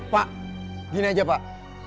pak gini aja pak